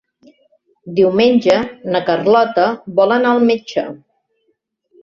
Diumenge na Carlota vol anar al metge.